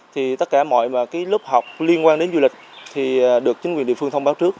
thì tất cả mọi cái lớp học liên quan đến du lịch thì được chính quyền địa phương thông báo trước